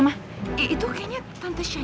satu hari nanti apa terserah